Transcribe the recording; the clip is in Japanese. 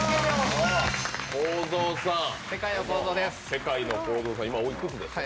世界のこーぞーさん、今、おいくつですか。